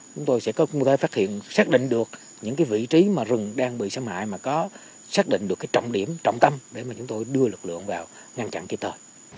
chúng tôi sẽ có thể phát hiện xác định được những vị trí rừng đang bị xâm hại xác định được trọng điểm trọng tâm để chúng tôi đưa lực lượng vào ngăn chặn cái tờ